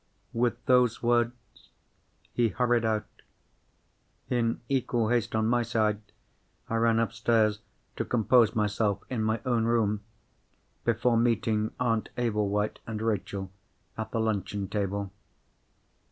With those words he hurried out. In equal haste on my side, I ran upstairs to compose myself in my own room before meeting Aunt Ablewhite and Rachel at the luncheon table.